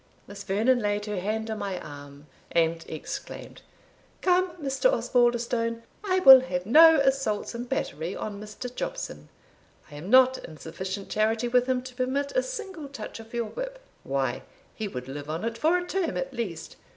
Miss Vernon laid her hand on my arm, and exclaimed, "Come, Mr. Osbaldistone, I will have no assaults and battery on Mr. Jobson; I am not in sufficient charity with him to permit a single touch of your whip why, he would live on it for a term at least.